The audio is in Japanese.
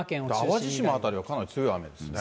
淡路島辺りはかなり強い雨ですね。